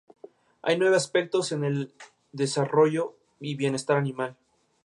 Tiene ascendencia inglesa, alemana, irlandesa, escocesa y austriaca.